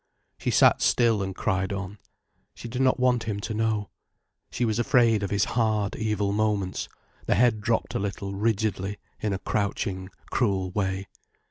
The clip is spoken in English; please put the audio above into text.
She sat still and cried on. She did not want him to know. She was afraid of his hard, evil moments, the head dropped a little, rigidly, in a crouching, cruel way.